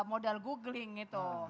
itu modalnya googling gitu